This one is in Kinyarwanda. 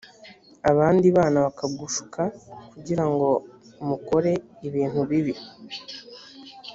abandi bana bakagushuka kugira ngo mukore ibintu bibi